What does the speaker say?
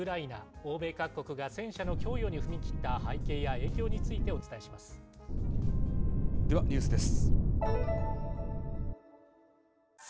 欧米各国が戦車の供与に踏み切った背景や影響についてお伝えしまでは、ニュースです。